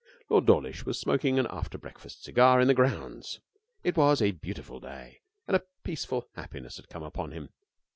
Lord Dawlish was smoking an after breakfast cigar in the grounds. It was a beautiful day, and a peaceful happiness had come upon him.